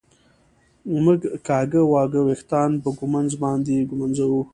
مونږ کاږه واږه وېښتان په ږمونځ باندي ږمنځوو